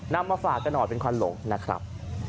มาฝากกันหน่อยเป็นควันหลงนะครับ